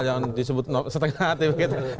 yang disebut setengah hati begitu